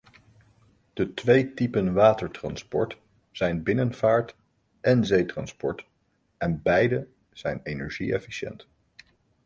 De twee typen watertransport zijn binnenvaart en zeetransport en beide zijn energie-efficiënt.